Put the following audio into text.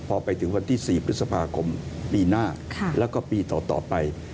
พอไปถึงวันที่๔พฤษภาคมปีหน้าแล้วก็ปีต่อไป